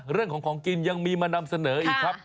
เรื่องของของกินยังมีมานำเสนออีกครับ